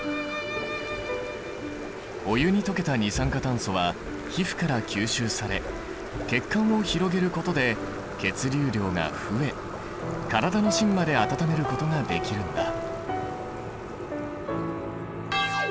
お湯に溶けた二酸化炭素は皮膚から吸収され血管を広げることで血流量が増え体の芯まで温めることができるんだ。